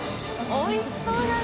おいしそうだね。